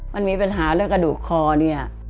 มันมีปัญหาเรื่องกระดูกคอเนี่ย